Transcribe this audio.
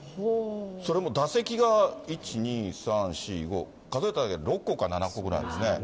それも打席が１、２、３、４、５、数えただけで、６個か７個ぐらいあるんですね。